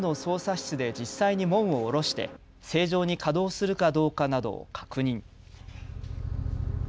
室で実際に門を降ろして正常に稼働するかどうかなどを確認。